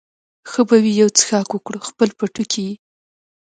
ښه به وي چې یو څښاک وکړو، خپل پوټکی یې.